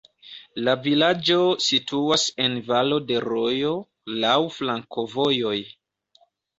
La vilaĝo situas en valo de rojo, laŭ flankovojoj.